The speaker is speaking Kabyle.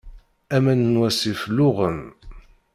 Aman n wasif luɣen.